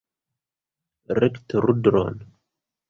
Rekte rudron!